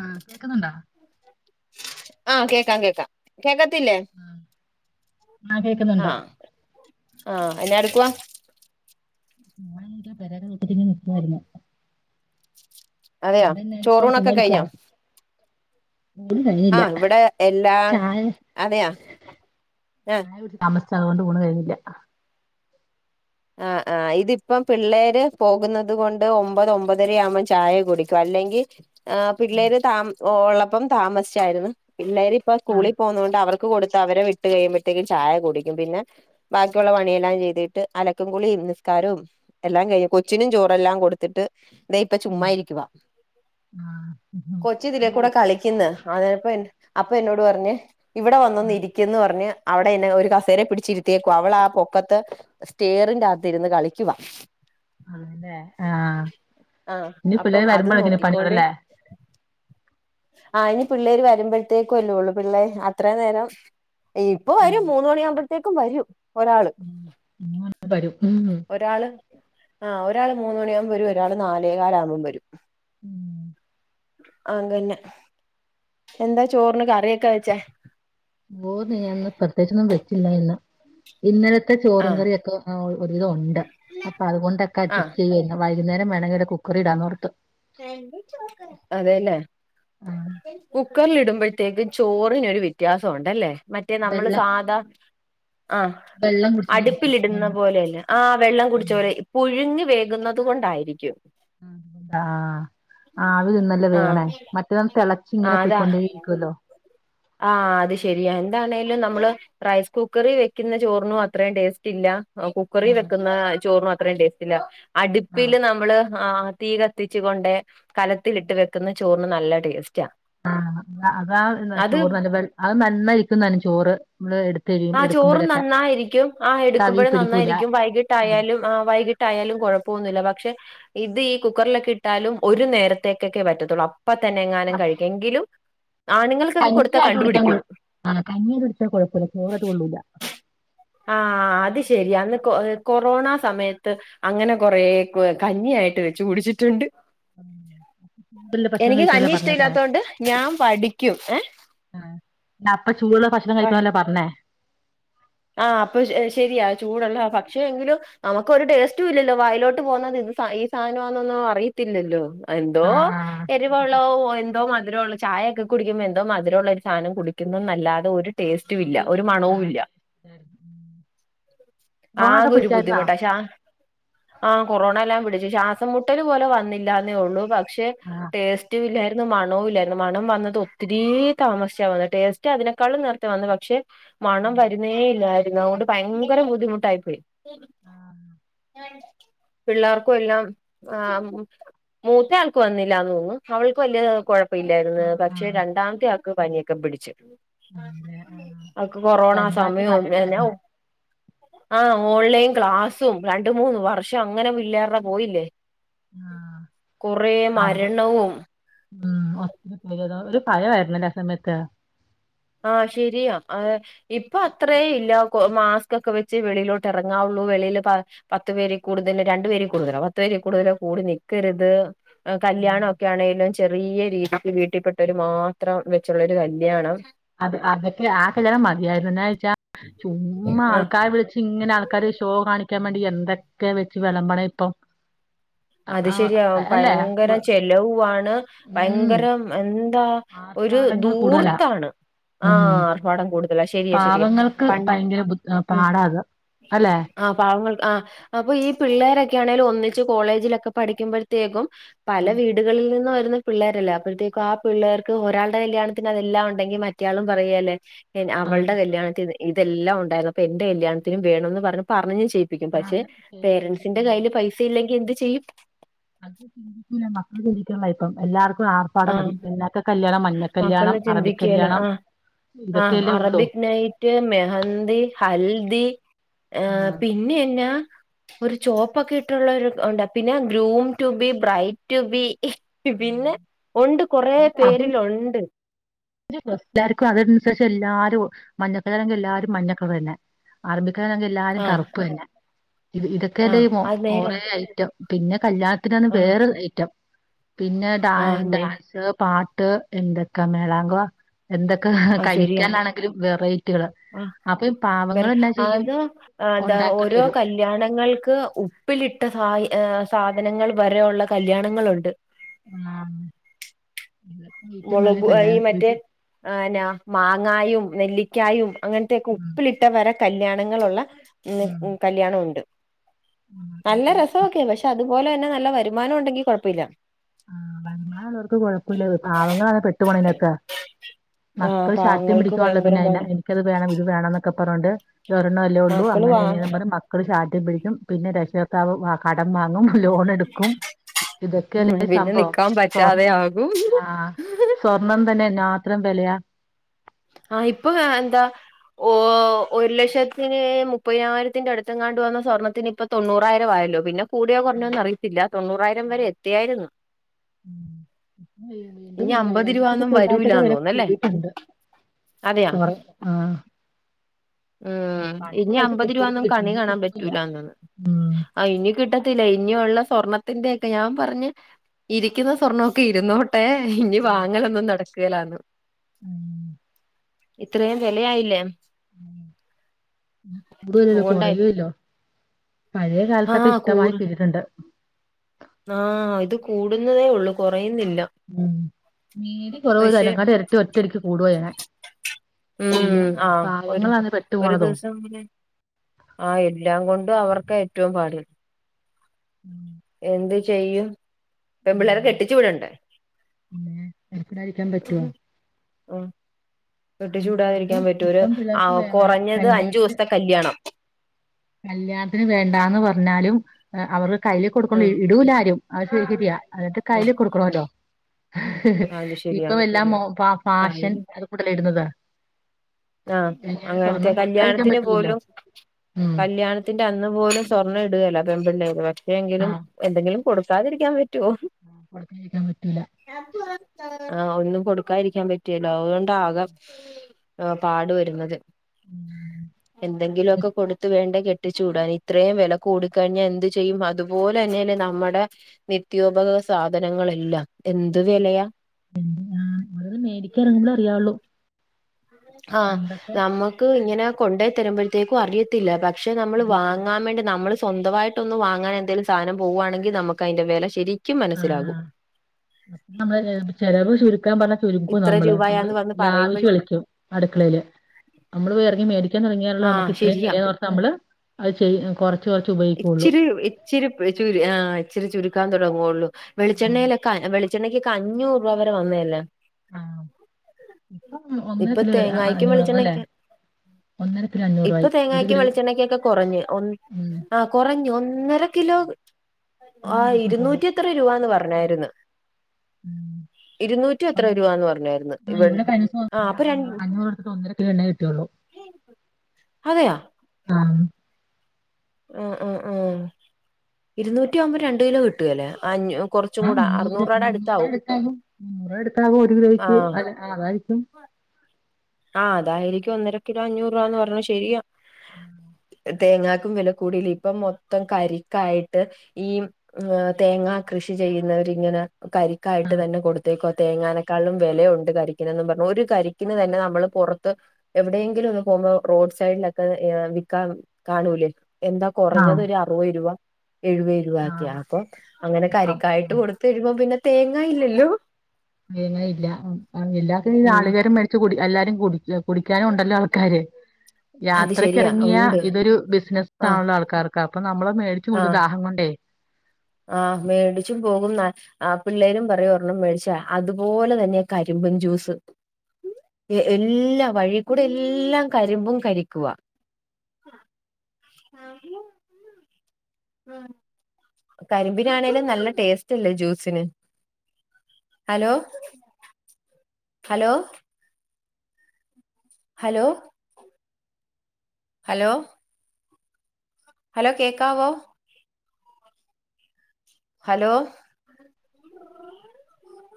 ആഹ് കേക്കുന്നുണ്ടോ? ആഹ് കേക്കാം കേക്കാം കേക്കത്തില്ലേ? ആഹ് ആഹ് കേക്കുന്നുണ്ട് ആഹ്. ആഹ് എന്നാ എടുക്കുവാ? ഞാൻ ഇത് പെരേടെ ചുവട്ടിൽ തന്നെ നിക്കുവായിരുന്നു. അതെയോ അവിടെ എന്നാ എടുക്കുവാ ചോറൂണൊക്കെ ചുമ്മാരിക്കുവാ കഴിഞ്ഞോ? ഊണ് കഴിഞ്ഞില്ല. ആഹ് ഇവിടെ എല്ലാം ചായ അതെയാ ആഹ് ചായ കുടിച്ചു താമസിച്ചാ. അതുകൊണ്ട് ഊണ് കഴിഞ്ഞില്ല. ആഹ് ആഹ് ഇതിപ്പം പിള്ളേര് പോകുന്നത് കൊണ്ട് ഒമ്പത് ഒമ്പതരയാകുമ്പേ ചായ കുടി ക്കും അല്ലെങ്കി ആ ആഹ് പിള്ളേര് താ ഉള്ളപ്പം താമസിച്ചായിരുന്നു. പിള്ളേര് ഇപ്പം ആഹ് സ്കൂളിൽ പോകുന്നതുകൊണ്ട് അവർ ക്ക് കൊടുത്ത് അവരെ വിട്ട് കഴിയുമ്പോഴത്തേക്കും ചായ കുടിക്കും. പിന്നെ ബാക്കിയുള്ള പണിയെല്ലാം ചെയ്തിട്ട് അലക്കും കുളിയും നിസ്കാരോം എല്ലാം കഴിഞ്ഞ് കൊച്ചിനും ചോറെല്ലാം കൊടുത്തിട്ട് ദേ ഇപ്പം ഉം ചുമ്മാ ഇരിക്കുവാ. ആഹ് ഉം കൊച്ച് ഇതിലക്കൂടെ കളിക്കുന്ന്. അതെപ്പോ അപ്പൊ എന്നോട് പറഞ്ഞ് ഇവിടെ വന്നൊന്ന് ആഹ് ഇരിക്കന്ന് പറഞ്ഞ് അവിടെ അയ്ന് ഒരു കസേരെ പിടിച്ചിരുത്തിയേക്കാ. അവള് ആ പൊക്കത്ത് സ്റ്റിയറിൻ്റാത്ത് ഇരുന്ന് കളിക്കുവാ. ആണല്ലേ ആഹ്. ആ ഇനി അപ്പം പിള്ളേര് അത് വരുമ്പോളായിരിക്കല്ലേ നോക്കിക്കൊണ്ട് പണികളല്ലേ. ആ ഇനി പിള്ളേര് വരുമ്പോഴത്തേക്കു അല്ലേയുള്ളൂ പിള്ളേര് അത്രേം നേരം ഇപ്പൊ വരും ഉം മൂന്നു മണിയാവുമ്പഴത്തേക്കും വരും ഒരാള്. മൂന്നുമണി ആവുമ്പേ വരും. ഉം ഒരാള് ആ ഒരാള് മൂന്നുമണിയാകുമ്പ വരും ഒരാള് നാലേകാൽ ആകുമ്പോഴ് വരും. ഉം അങ്ങന്നെ എന്താ ചോറിന് കറിയൊക്കെ വെച്ചേ? [unintelligible] പ്രത്യേകിച്ചൊന്നും വെച്ചില്ല ഇന്ന്. ഇന്നലത്തെ ആ ചോറും കറിയൊക്കെ ഒരുവിധം ഉണ്ട്. അപ്പൊ അതുകൊണ്ടൊക്കെ ആ അഡ്ജസ്റ്റ് ചെയ്യാനി വൈകുന്നേരം വേണങ്ങി ര് കുക്കറിടാന്നോർത്ത് അതെല്ലേ ആഹ് കുക്കറിലിടുമ്പോഴത്തേക്കും ചോറിനൊരു വ്യത്യാസംണ്ടല്ലേ മറ്റേ നമ്മള് വെള്ളം സാധാ ആഹ് വെള്ളം കുടിച്ചോണ്ടിരിക്കും അടുപ്പിലിടുന്ന വെള്ളം പോലെയല്ല ആ വെള്ളം കുടിച്ച ഉം പോലെ പുഴുങ്ങി വേകുന്നത് കൊണ്ടായിരിക്കും ആഹ് ആവി വന്നല്ല ആ വേഗണേ മറ്റന്നാ തിളച്ചി ആ ഇങ്ങനെ അതാ പോയിക്കൊണ്ടയ് ത്തുവല്ലോ ആ അത് ശരിയാ എന്താണേലും നമ്മള് റൈസ് കുക്കറി വെക്കുന്ന ചോറിനും അത്രയും ടെയ്സ്റ്റില്ല കുക്കറി ആഹ് വെക്കുന്ന ചോറിനും അത്രയും ടേസ്റ്റ്ല്ല ആഹ് അടുപ്പില് നമ്മള് ആഹ് തീ കത്തിച്ചുകൊണ്ട് കലത്തിലിട്ട് വെക്കുന്ന ചോറിന് നല്ല ടേസ്റ്റാ ആഹ് ആഹ് അതാ അത് ചോറ് നല്ല അത് നന്നയിരിക്കു ചോറ് നമ്മള് എടു ആഹ് ചോറും നന്നായിരിക്കും ആഹ് തവി എടുക്കുമ്പോഴും പിടിക്കൂല നന്നായിരിക്കും ഉം വൈകിട്ടായാലും ആഹ് വൈകിട്ടായാലും കുഴപ്പൊന്നില്ല പക്ഷെ ഇത് ഈ കുക്കറിലൊക്കെ ഇട്ടാലും ഒരു നേരത്തേക്കൊക്കെ പറ്റത്തുള്ളൂ അപ്പൊ അപ്പ തന്നെ എങ്ങാനും അപ്പൊ കഴിക്കും എങ്കിലും ആണുങ്ങൾക്കൊക്കെ കൊടുത്ത കണ്ടുപിടിക്കും ആ കഞ്ഞി വെച്ചാല് കുഴപ്പല്ല ചോറച്ചാ കൊള്ളൂല ആഹ് അത് ശെരിയാ അന്ന് കൊറോണ സമയത്ത് അങ്ങനെ കൊറേ കഞ്ഞിയായിട്ടു വെച്ചു കുടിച്ചിട്ടുണ്ട് ചൂടുള്ള ഭക്ഷണം എനിക്ക് കഴിക്കാനല്ലേ കഞ്ഞി പറഞ്ഞേക്കണേ ഇഷ്ടല്ലാത്തോണ്ട് ഞാൻ പഠിക്കും ഏഹ് അപ്പ ചൂടുള്ള ഭക്ഷണം കഴിക്കണല്ലേ പറഞ്ഞേ ആ അപ്പൊ ശെരിയാ ചൂടുള്ള പക്ഷേ എങ്കിലും നമക്കൊരു ടേസ്റ്റും ഇല്ലല്ലോ വായിലോട്ട് പോകുന്നത് ഇന്ത് ഈ സാധനമാന്നൊന്നും അറിയത്തില്ലല്ലോ എന്തോ ആഹ് ആഹ് എരിവുള്ളോ എന്തോ മധുരള്ളോ ചായയൊക്കെ കുടിക്കുമ്പോ എന്തോ മധുരുള്ള ഒരു സാനം കുടിക്കുന്നന്നല്ലാതെ ഒരു ടേസ്റ്റുയില്ല ഒരു ആഹ് മണവുല്ല [inaudible] രോണൊക്കെ ആകൊരു പിടിച്ചായിരുന്നാ ബുദ്ധിമുട്ട ഷാ ആ കൊറോണ എല്ലാം പിടിച്ചു ശ്വാസം മുട്ടല് പോലെ വന്നില്ലാന്നേ ഉള്ളൂ പക്ഷെ ആഹ് ടേസ്റ്റുല്ല ന്ന് മണവുംല്ലായിരുന്നു മണം വന്നത് ഒത്തിരി താമസിച്ചാ വന്നേ ടേസ്റ്റ് അതിനെക്കാളും നേരത്തെ വന്നു പക്ഷെ മണം ഉം വരുന്നേയില്ലായിരുന്നു അതുകൊണ്ട് ഭയങ്കര ബുദ്ധിമുട്ടായിപ്പോയി ആഹ് പിള്ളാർക്കുവെല്ലാം ആഹ് മ്മ് മൂത്തയാൾക്കു വന്നില്ലാന്ന് തോന്ന്ന്നു അവൾക്കുവല്യ കൊഴ ആ പില്ലാരുന്ന് ആ പക്ഷെ രണ്ടാമ്ത്തെയാക്ക് പനിയക്കെ പിടിച്ച് അങ്ങനെ ആ അവക്ക് കൊറോണ വല്ലാത്ത കാലായിട്ട് സമയൊന്നെന്നെയാവും വരുന്നത് ആഹ് ഓൺലൈൻ ക്ലാസ്സും രണ്ടു മൂന്ന് വർഷം അങ്ങനെ പില്ലേർടെ പോയില്ലേ ആ കൊറേ മരണ്ണവും മ്മ് ഒ [unintelligible] ഒരു ഭയമായിരുന്നല്ലേ ആ സമയത്ത് ആഹ് ശെരിയാ അഹ് ഇപ്പൊ അത്തറേയ്ല്ല കൊ മാസ്കൊക്കെ വെച്ച് വെളിയിലോട്ട് എറങ്ങാവുള്ളൂ വെളില് പാ പത്ത് പേരി കൂടുതല് രണ്ടു പേരി കൂടുതലോ പത്തു പേരി കൂടുതലോ കൂടി നിക്കരുത് ആഹ് ഉം. കല്യാണൊക്കെ ആണെലും ചെ ചെറിയെ രീതിക്ക് വീട്ടിപ്പെട്ടവര് മാത്രം വെച്ചൊള്ളൊരു കല്യാണം അത് അതൊക്കെ ആഹ് കല്യാണം മതിയായിര്ന്ന് എന്നാവെച്ചാ ചുമ്മാ ആഹ് ആൾക്കാരെ വിളിച്ച് ഇങ്ങനെ ആൾക്കാര് ഷോ കാണിക്കാൻ വേണ്ടി എന്തക്കെ വെച്ച് വെളമ്പണെ ഇപ്പം ആ, അത് ആ, ശരിയാ അല്ലേ പയങ്കര ചെലവ്വാണ് ഉം പയങ്കരം എന്താ ഒരു ആർഭാടങ്ങൾ കൂടുതലാ ദൂർത്താണ് ഉം ആഹ് ആർഭാടം കൂടു ശരിയ ശരിയാ പാവങ്ങൾക്ക് പൺ ഭയങ്കര ബു- ഉം പാടാ അത് അല്ലേ ആഹ് പാവങ്ങൾ ആഹ് അപ്പൊ ഈ പിള്ളേരെക്കെ ആണെലും ഒന്നിച്ച് കോളേജിലെക്കെ പഠിക്കുമ്പഴ് തേക്കും പല ആ വീടുകളിൽ നിന്ന് വരുന്ന പിള്ളേരല്ലേ അപ്പോഴത്തേക്കും ആഹ് പിള്ളേർക്ക് ഒരാൾടെ കല്യാണത്തിന് അതെല്ലാം ഉണ്ടെങ്കിൽ മറ്റയാളും പറ യേല്ലേ എൻ ആ, അവൾടെ കല്യാണത്തിന് ഇത് ഇതെല്ലാം ഒണ്ടായിരുന്നപ്പോ എന്റെ കല്യാണത്തിനും വേണന്ന് പറഞ്ഞപ്പ പറഞ്ഞ് ചെയ് പ്പിക്കും പഷെ അങ്ങനെ ചെയ്യിപ്പിച്ച് പേരൻസിന്റെ ഉം. കയ്യില് പൈസ ഇല്ലെങ്കിൽ എന്ത് ചെയ്യും അത് ചിന്തിക്കൂല മക്കള് ചിന്തിക്കണം ഇപ്പം എല്ലാർക്കും ആർ പാട ആ മതി എന്നാക്ക കല്യാണം മഞ്ഞ കല്യാണം അറബിക്കല്യാണം ആഹ് ഇതൊക്കെയല്ലേ ഉള്ളൂ അറബിക് നൈറ്റ് മെഹന്തി ഹൽദി ആ എഹ് പിൻ ഇനി എന്നാ ഒരു ചോപ്പൊക്കെ ഇട്ടൊള്ളൊരു ഒണ്ട് പിന്നെ ഗ്രൂംറ്റുബി ബ്രൈറ്റുബി പിന്നെ ഒണ്ട് കൊറേ പേരിലൊണ്ട് ഒരു ഡ്രസ്സ് ല്ലാർക്കു അതനുസേഷം എല്ലാരും ഒ മഞ്ഞക്കലരങ്കിൽ എല്ലാരും മഞ്ഞക്കളർ ന്നെ അറബിക്കാനകൽ ല്ലാരും ആഹ് കറുപ്പന്നെ ഇത് ഇതൊക്കെല്ലേ ആഹ് കൊ അത് നേരാ കൊറെ ഐറ്റം പിന്നെ കല്യണ ത്തിനാണ് ആഹ് വേറെ ഒരു ഐറ്റം. പിന്നെ ഡാ ആഹ് നേ ഡാൻസ് പാട്ട് എന്തൊക്കെ മേളാങ്കവാ എന്തൊക്കെ അത് ശരിയാ കഴിക്കാനാണെങ്കിലും വെറൈറ്റികളാ ആഹ് പെര അതൊ ന്താ ഉണ്ടാക്കേണ്ടി ഓരോ വരും കല്ല് ല്യാണങ്ങൾക്ക് ഉപ്പിലിട്ട സായി സാധനങ്ങൾ വരെയുള്ള കല്യാണങ്ങളുണ്ട് ആഹ് ഇത് മൊളബ്ബ്വായി മറ്റെ അയന്ന മാങ്ങായും നെല്ലിക്കായും അങ്ങനത്തെക്കെ ഉം ഉപ്പിലിട്ട വരെ കല്യാണങ്ങളൊള്ള മ്മ് ഉം മ് കല്യാണൊണ്ട് നല്ല ഉം രസവൊക്കെയാ പഷെ അതുപോലെ തന്നെ നല്ല വരുമാനം ഒണ്ടെങ്കി കൊഴപ്പില്ല ആഹ് വരുമാനം ഒള്ളർക്ക് കൊഴപ്പില്ല പാവങ്ങളായ പെട്ട് ട്ടുപോണേനൊക്കെ ആഹ് മക്കൾ ശാട്യം പാവങ്ങൾക്ക് പിടിക്കുവാണല്ലോ ഭയങ്കര പിന്നെ ആയിനെ പാട് എനി നിക്കത് വേണം ഇത് വേണം എന്നൊക്ക പറഞ്ഞോണ്ട് ഇതൊരെണ്ണവല്ലേ ഒള്ളൂ മക്കള് അങ്ങനെ വാ ഇങ്ങനെ പറഞ്ഞ് മക് ക്കൾ ഷാട്യം പിടിക്കും പിന്നെ രഷകർത്താവ് വാ കടം വാങ്ങും ലോൺ എടുക്കും ഇതൊക്കെല്ലേ ഉം പിന്നെ ഇസംഭവം നിക്കാൻ സ്വർ പറ്റാതെ ആകും ആഹ് സ്വർണ്ണം തന്നെ എന്നാത്തരം വെലയാ ആഹ് ഇപ്പൊ എഹ് എന്താ ഓ ഒരു ലക്ഷത്തിന് മുപ്പതിനായിരത്തിന്റെ അടുത്തങ്ങാണ്ട് വന്ന സ്വർണത്തിന് ഇപ്പം തൊണ്ണൂറായിരം ആയല്ലൊ പിന്നെ കൂടിയോ കുറഞ്ഞോന്ന് അറിയിത്തില്ല തൊണ്ണൂറായിരം വരെ എത്തിയാരുന്ന് ഉം. വീണ്ടും ഇനി അമ്പത് ഒക്കെ രൂപാന്നും ചെറുതായിട്ടൊക്കെ വരൂലാന്ന് തോന്ന്ന്നല്ലേ കൊറ ആഹ ഉം ഇനി കാലത്ത് അമ്പത് കിട്ടിയവർക്ക് രൂപന്നും കിട്ടി കണ്ണ് ഇനി കാണാൻ കിട്ടുന്നില്ല പറ്റൂലന്നന്ന്.. ഉം ആ ഇനി കിട്ടത്തില്ല ഇനള്ള സ്വർണത്തിന്റെൊക്കെ ഞാൻ പറഞ്ഞ് ഇരിക്കുന്ന സ്വർണമൊക്കെ ഇരുന്നോട്ട ട്ടേ ഇനി വാങ്ങലൊന്നും നടക്കേലാന്ന് ഉം ഇത്രയും വെലയായില്ലേ? ഉം കൂടല്ലല്ലോ അതുകൊണ്ടായി കുറയല്ലോ പഴയ കാലത്തൊക്കെ ആഹ് ഇഷ്ടമായി കൂടു തട്ടുണ്ട് ആഹ് ഇത് കൂടുന്നതേ ഒള്ളൂ കൊറയുന്നില്ല ഉം മീരി കുറവ് ള്ളതിനെക്കാണ്ട് ഇരട്ടി ഒറ്റ ഇടക്കി കൂടുയന ഉം ആഹ ഒരു ഒരു ദിവസംനെ ആ എല്ലാം കൊണ്ട് അവർക്ക് ഏറ്റവും പാടില്ല ഉം എന്ത് ചെയ്യും? പെൺമ്പിള്ളേരെ കെട്ടിച്ചു വിടണ്ടേ പിന്നെ എടുക്കിടാതിരിക്കാൻ പറ്റുമോ ഉ കെട്ടി ച്ച് എൻ- വിടാതിരിക്കാൻ അതും പറ്റൂല ഇപ്പം ആ പിള്ളേർക്ക് വേ- വേ- കൊറഞ്ഞത് അഞ്ചു കല്യാണത്തിന് ദിവസത്തെ കല്യാണം. കല്യാണത്തിന് വേണ്ടാന്ന് പറഞ്ഞാലും അവർക്ക് കയ്യിൽ കൊടുക്കണം ഉം ഇടൂലാരും അവ ശിക്കയാ അതത് ഉം കയ്ൽ കൊടുക്കണല്ലോ അത് ശരിയാ ഇപ്പം എല്ലാം ഫാഷൻ കാര്യം കൂടല ഇടുന്നതാ ആഹ അങ്ങനത്തെ കൊടുക്കാതിരിക്കാൻ കല്യാണത്തിന് പറ്റില്ലല്ലോ പോലും ഉം കല്യാണത്തിന്റെ അന്ന പോലും സ്വർണ്ണം ഇടുകല്ല പെൺപിള്ളേര്പക്ഷെ ആ എങ്കിലും എന്തെങ്കിലും കൊടുക്ക സാകരിക്കാൻ പറ്റോ [unintelligible] കക്കാൻ പറ്റില്ല ആഹ് ഒന്നും കൊടുക്കായിരിക്കാൻ പറ്റേല അതുകൊണ്ടാകെ ഏ പാടു വരുന്നത് ഉം എന്തെങ്കിലോക്കെ കൊടുത്ത് വേണ്ടെ കെ ട്ടിചൂടാൻ ഇത്രേം വെല കൂടി കഴിഞ്ഞാ എന്ത് ചെയ്യും അതുപോലെ ന്നെല്ലെ നമ്മുടെ നിത്യോപക സാധനങ്ങളല്ലാംഎന്ത് വെലയാ മേടിക്കാ എറങ്ങുമ്പളേ അറിയാവുള്ളൂ ആഹ് പണ്ടൊക്കെ നമ്മക്ക് ഇങ്ങനെ കൊണ്ടേയി തരുമ്പോഴത്തേക്കും അറിയ ത്തില്ല പക്ഷെ നമ്മൾ അറിയത്തില്ല വാങ്ങാൻ വേണ്ടി നമ്മള് സ് സ്വന്തവായിട്ടൊന്ന് വാങ്ങാൻ എന്തേലും സാനം പോവാണെങ്കി നമുക്കയിന്റെ വെല ശരിക്കും മനസ്സിലാവും. ആഹ് നമ്മള് ചെലവ് ചുരുക്കാൻ പറഞ്ഞാ ചുരുക്കോ ഇത്ര നമ്മള് നമ്മള് രൂപയാന്ന് പറഞ്ഞ് ലാവിഷ് പറയുമ്പോഴ് കളിക്കും. അടുക്കളേല് നമ്മള് എറങ്ങി മേടിക്കാൻ തുടങ്ങിയാലൊള്ളൂ ആ നമുക്ക് ഇത്രേം ശരിയാ വെല നമ്മള് അത് ചെയ്യ കൊറ ഇച്ചിരി ഇച്ചിരി പ് ചു ആ ഇച്ചിരി ചുരുക്കാൻ തൊടങ്ങൊള്ളൂ വെളിച്ചെണ്ണേലൊക്കെ അനവളി ച്ചെണ്ണയ്ക്കൊക്കെ അഞ്ഞൂറ് രൂപ വരെ വന്നയല്ലേ ആഹ് ഇപ്പൊ ഒന്നര ഇപ്പൊ കിലോ അ അ തേങ്ങായ്ക്കും അഞ്ഞൂറേന്നു അല്ലേ വെളിച്ചെണ്ണയ്ക്കും ഒന്നരക്കിലോ ഇപ്പൊ അഞ്ഞൂറായി ഒരു തേങ്ങായ്ക്കും കിലോയ് ഉം ആഹ് കൊറഞ്ഞു ഒന്നര കിലോ ആ അഞ്ഞൂറേ കിട്ടുള്ളൂ ഇരുന്നൂറ്റി എത്ര രൂപാന്ന് പറഞ്ഞായിരുന്നു. ഇരുന്നൂറ്റി എത്ര ഉം രൂപാന്ന് പറഞ്ഞായിരുന്നു [inaudible] അ ഇവ ഇവടെ ആ കയിഞ്ഞൂസം അപ്പൊ ര അഞ്ഞൂറ് കൊടുത്ത്ട്ട് ഒന്നരക്കിലോ എണ്ണേ കിട്ടിയൊള്ളൂ [inaudible] അതെയാ ആഹ് ആ ആ ആ ഇരുന്നൂറ്റിവുമ്പോ രണ്ട് കിലോ കിട്ടൂല്ലേ അഞ്ഞൂ കുറച്ചും ആ കൂടെ മുന്നൂറ് അറുന്നൂറ് രൂപയുടെ മുന്നൂറ് അടുത്താവും. അടുത്താകും മുന്നൂറ് ഏടുത്താകും ഒരു ആ കിലോയ്ക്ക് അ അ അതായിരിക്കും ആഹ് തായിരിക്കും ഒന്നര കിലോ അഞ്ഞൂറ് രൂപാന്ന് പറഞ്ഞത് ശെരിയാ തേങ്ങാക്കും വെല കൂടിലേ ഇപ്പം മൊത്തം കരിക്കായിട്ട് ഈ ഉം തേങ്ങാ കൃഷി ചെയ്യുന്നവരിങ്ങനെ ആ കരിക്കായിട്ട് തന്നെ കൊടുത്തേക്കോ തേങ്ങാനേക്കാളിലും വെലയുണ്ട് കരിക്കിനന്ന് പറഞ്ഞു ഒരു കരിക്കിന് തന്നെ ന നമ്മള് പൊറത്ത് എവിടേങ്കിലൊന്ന് പോവുമ്പോ റോഡ് സൈഡിലൊക്കെ ഏഹ് വിക്കാൻ കാണൂലേ എന്താ ആ കൊറഞ്ഞത് ഒരു അറുപത് രൂപ എഴുപത് ആ രൂപൊക്കെയാ അപ്പൊ അങ്ങനെ അപ്പം കരിക്കായിട്ട് ഉം കൊടു തരുമ്പ പിന്നെ തേങ്ങായില്ലല്ലോ. തേങ്ങായില്ല ഉം എല്ലാത്തിനും ഉം നാളികേരം മെ ചു കുടി എല്ലാരും കുടിച്ചോ കുടിക്കാനുണ്ടല്ലോ ആൾക്കാര് അത് ശരിയാ യാത്രക്കെറങ്ങിയാ ഉണ്ട് ഇതൊരു ആഹ് ബിസിനസ്സാണ് ആൾക്കാർക്ക് അപ്പൊ നമ്മളത് മേടിച്ച് ആഹ് കുടിച്ച് ദാഹം കൊണ്ടേ ആഹ് മേടിച്ചു പോകും ന്ന ആ പിള്ളേരും പറയും ഒരണ്ണം മേടിച്ചാ അതുപോലെ തന്നെയാ കരിമ്പും ജ്യൂസ് എ എല്ലാ വഴി കൂടെല്ലാം കരിമ്പും കരിക്കുവാ അയിനു കരിമ്പിനാണേലും നല്ല ടേസ്റ്റ്ല്ലേ ജ്യൂസിന്. Hello hello hello hello hello കേക്കാവോ ഹലോ